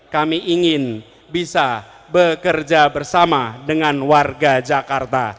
kami ingin bisa bekerja bersama dengan warga jakarta